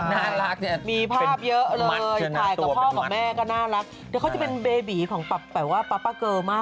คุณแม่ยังไงยังคุณแม่พูดสิว่ากุบกิบไปรอดมันเขาไปทำอะไรไปเติบอะไรหรือเปล่า